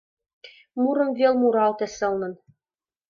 Мурым вел муралте сылнын